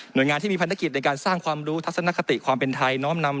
โดยงานที่มีภารกิจในการสร้างความรู้ทัศนคติความเป็นไทยน้อมนำ